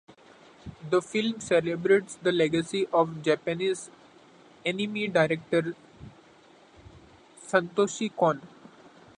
The film celebrates the legacy of Japanese anime director Satoshi Kon.